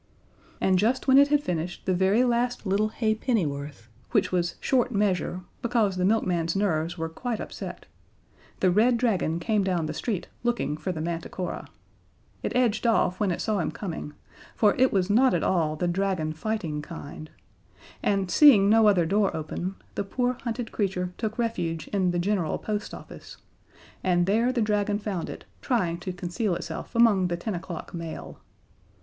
And just when it had finished the very last little halfpenny worth, which was short measure, because the milkman's nerves were quite upset, the Red Dragon came down the street looking for the Manticora. It edged off when it saw him coming, for it was not at all the Dragon fighting kind; and, seeing no other door open, the poor, hunted creature took refuge in the General Post Office, and there the Dragon found it, trying to conceal itself among the ten o'clock mail.